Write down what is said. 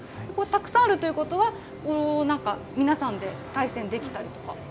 たくさんあるということは、なんか皆さんで対戦できたりとか。